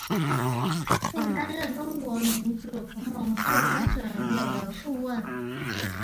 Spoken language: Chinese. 并担任中国民主同盟浙江省委的顾问。